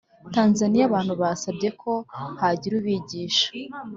Tanzaniya abantu basabye ko hagira ubigisha